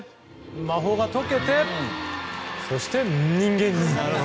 魔法が解けてそして人間に！